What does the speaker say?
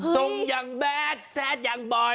ทรงอย่างแบสแทรกอย่างบ่อย